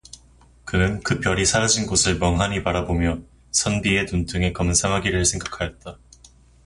그는 그 별이 사라진 곳을 멍하니 바라보며 선비의 눈등의 검은 사마귀를 생각 하였다.